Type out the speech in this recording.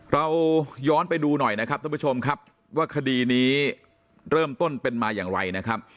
เราย้อนไปดูหน่อยนะครับท่านผู้ชมครับว่าคดีนี้เริ่มต้นเป็นมาอย่างไรนะครับ